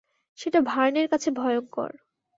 সেটা ভার্নের কাছে ভয়ঙ্কর।